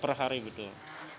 per hari betul